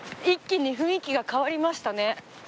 一気に雰囲気が変わりましたね。